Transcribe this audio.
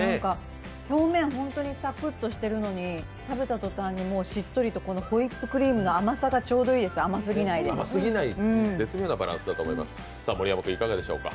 表面さくっとしているのに、食べた途端にしっとりとホイップクリームの甘さがちょうどいいです、甘すぎないで。